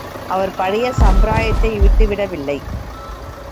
அவர் பழைய சம்பிரதாயத்தை விட்டுவிடவில்லை.